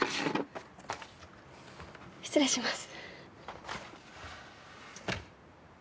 失礼します。